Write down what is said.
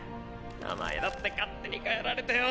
名前だって勝手に変えられてよぉ！